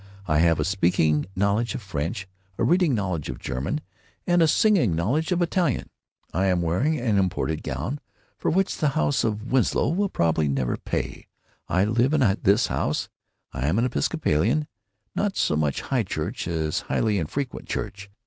I have a speaking knowledge of French, a reading knowledge of German, and a singing knowledge of Italian. I am wearing an imported gown, for which the House of Winslow will probably never pay. I live in this house, and am Episcopalian—not so much High Church as highly infrequent church.